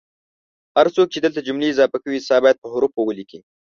هر څوک چې دلته جملې اضافه کوي حساب باید په حوفو ولیکي